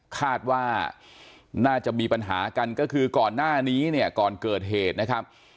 คาดว่าน่าจะมีปัญหากันก็คือก่อนหน้านี้เนี่ยก่อนเกิดเหตุนะครับ